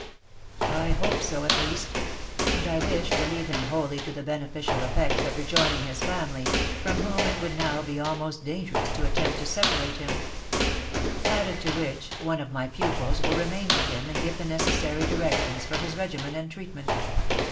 "I hope so, at least; and I wished to leave him wholly to the beneficial effects of rejoining his family, from whom it would now be almost dangerous to attempt to separate him; added to which, one of my pupils will remain with him and give the necessary directions for his regimen and treatment.